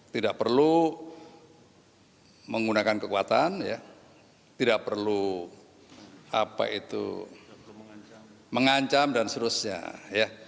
tidak perlu menggunakan kekuatan tidak perlu mengancam dan sebagainya